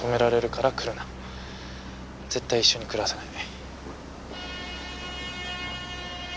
絶対一緒に暮らせない。